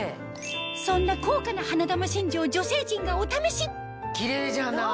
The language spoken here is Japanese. そんな高価な花珠真珠を女性陣がお試しキレイじゃない。